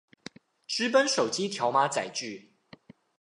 紙本手機條碼載具